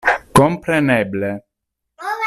Kompreneble.